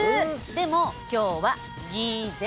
でも今日はギゼ。